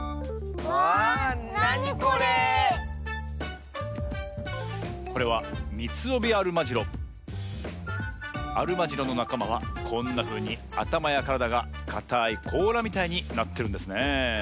わなにこれ⁉これはアルマジロのなかまはこんなふうにあたまやからだがかたいこうらみたいになってるんですね。